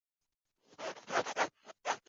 他们也分析出自己所在的位置。